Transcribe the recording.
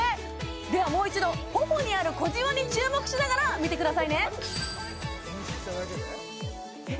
ではもう一度頬にある小じわに注目しながら見てくださいねえっ